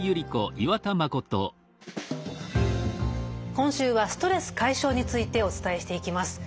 今週は「ストレス解消」についてお伝えしていきます。